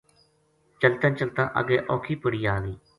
چلتاں چلتاں اگے اوکھی پڑی آ گئی